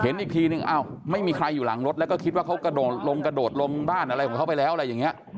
อีกทีนึงอ้าวไม่มีใครอยู่หลังรถแล้วก็คิดว่าเขากระโดดลงกระโดดลงบ้านอะไรของเขาไปแล้วอะไรอย่างนี้